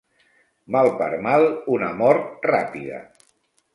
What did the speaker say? Mal per mal, una mort ràpida.